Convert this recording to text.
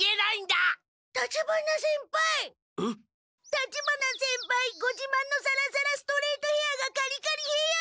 立花先輩ごじまんのサラサラストレートヘアーがカリカリヘアーに！